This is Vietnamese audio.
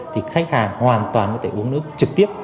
thì khách hàng hoàn toàn có thể uống nước trực tiếp